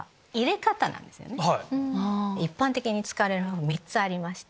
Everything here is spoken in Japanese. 一般的に使われるのは３つありまして。